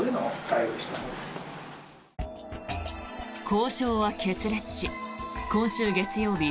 交渉は決裂し今週月曜日